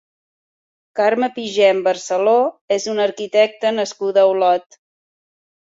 Carme Pigem Barceló és una arquitecta nascuda a Olot.